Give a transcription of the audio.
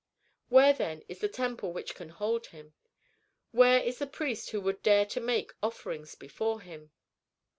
Where, then, is the temple which could hold him? Where is the priest who would dare to make offerings before him?"